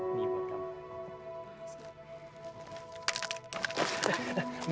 ini buat kamu